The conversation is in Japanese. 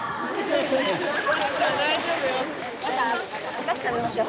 おかし食べましょ。